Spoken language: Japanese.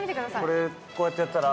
これ、こうやってやったら。